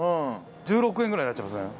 １６円ぐらいになっちゃいますね。